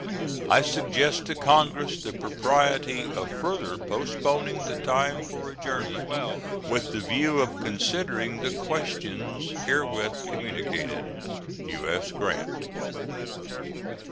I suggest to Congress the propriety of further postponing the time for adjournment, with the view of considering the questions herein communicated. U.S. GRANT.